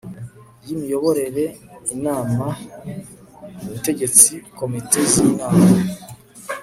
y imiyoborere inama y ubutegetsi komite z inama